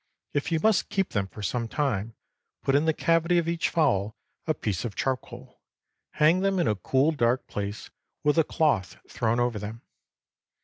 If you must keep them some time, put in the cavity of each fowl a piece of charcoal; hang them in a cool, dark place, with a cloth thrown over them.